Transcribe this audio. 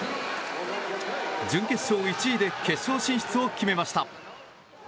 準決勝１位で決勝進出を決めました。